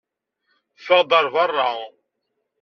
Ffeɣ-d ar beṛṛa!